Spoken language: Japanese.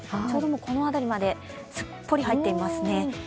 ちょうどこの辺りまですっぽり入っていますね。